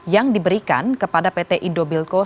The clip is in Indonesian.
yang diberikan kepada pt indobilco